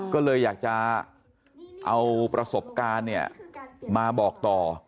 ก็เลยอยากจะเอาประสบการณ์เนี่ยมาบอกต่อ